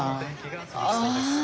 ああ。